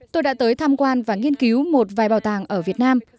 tôi đã tới tham quan và nghiên cứu một vài bảo tàng ở việt nam